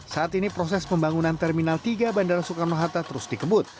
saat ini proses pembangunan terminal tiga bandara soekarno hatta terus dikebut